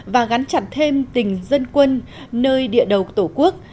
và gắn chặt thêm tình dân quân nơi địa đầu tổ quốc